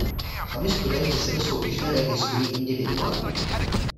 Sami studenti se do soutěže registrují individuálně.